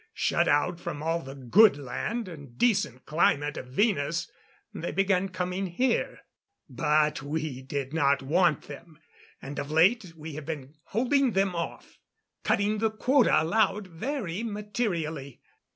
Shut out from all the good land and decent climate of Venus, they began coming here. "But we did not want them, and of late we have been holding them off, cutting the quota allowed very materially.